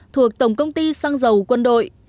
thuộc tổng công ty xăng dầu quân đội